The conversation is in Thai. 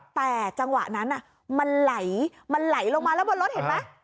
แต่จังหวะนั้นมันไหลมันไหลลงมาแล้วบนรถเห็นไหม